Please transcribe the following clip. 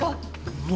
うわ。